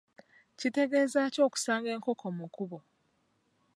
Kitegeeza ki okusanga enkoko mu kkubo?